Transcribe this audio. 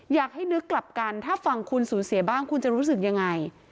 อยากให้นึกกลับกันถ้าฝั่งคุณสูญเสียบ้างคุณจะรู้สึกยังไง